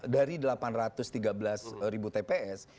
dari delapan ratus tiga belas ribu tps